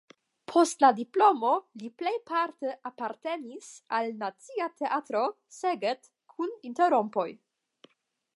Post la diplomo li plejparte apartenis al Nacia Teatro (Szeged) kun interrompoj.